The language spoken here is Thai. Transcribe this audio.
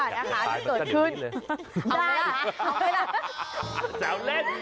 ตายมันจะเด็ดนี้เลย